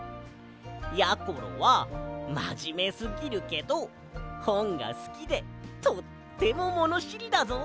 やころはまじめすぎるけどほんがすきでとってもものしりだぞ。